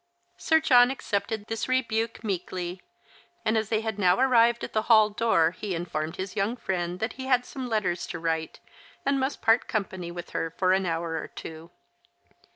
Sir John accepted this rebuke meekly, and as they had now arrived at the hall door he informed his vounji 128 The Christmas Hirelings. friend that he had some letters to write, and must part company with her for an hour or two.